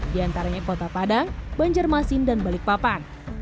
diantaranya kota padang banjarmasin dan balikpapan